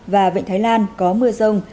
và vệnh thái lan có mưa rông